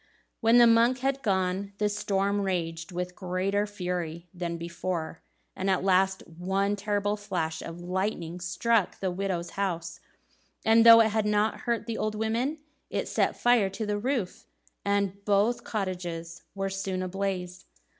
When the monk had gone, the storm raged with greater fury than before, and at last one terrible flash of lightning struck the widows' house, and though it did not hurt the old women, it set fire to the roof, and both cottages were soon ablaze.